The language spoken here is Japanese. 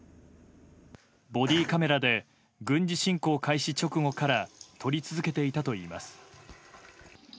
ボディーカメラで軍事侵攻開始直後から撮り続けていたといいます。